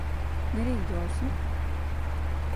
Nereye gidiyorsun?